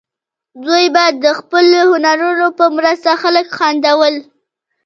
دوی به د خپلو هنرونو په مرسته خلک خندول.